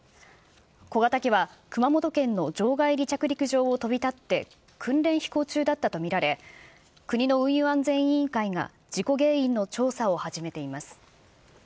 小型機は熊本県の場外離着陸場を飛び立って、訓練飛行中だったと見られ、国の運輸安全委員会が事故原因の調査を始めています。